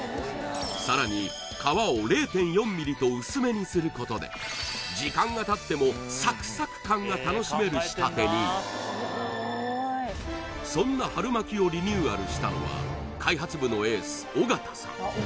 さらに皮を０．４ｍｍと薄めにすることで時間がたってもサクサク感が楽しめる仕立てにそんな春巻きをリニューアルしたのは開発部のエース緒方さん